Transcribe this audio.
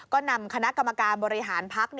ก็นำคณะกรรมการบริหารพัก